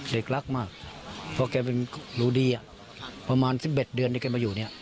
เด็กรักมากเพราะแกเป็นรู้ดีประมาณ๑๑เดือนที่แกมาอยู่เนี่ย